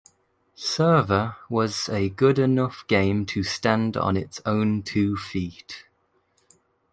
Sever" was "a good enough game to stand on its own two feet".